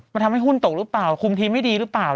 มันทำให้หุ้นตกหรือเปล่าคุมทีมไม่ดีหรือเปล่า